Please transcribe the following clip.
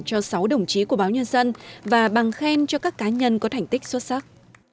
cho sáu đồng chí của báo nhân dân và bằng khen cho các cá nhân có thành tích xuất sắc